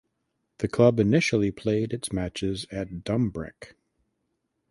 The club initially played its matches at Dumbreck.